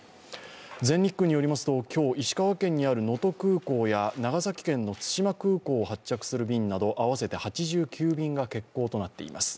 全日空によりますと、今日、石川県にある能登空港や長崎県の対馬空港を発着する便など合わせて８９便が欠航となっています。